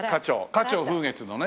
花鳥風月のね。